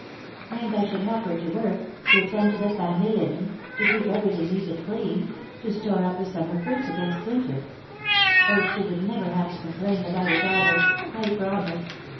"And I should help her to work, to attend to the family linen, to keep everything neat and clean, to store up the summer fruits against winter oh, she would never have to complain that I was idle, I promise!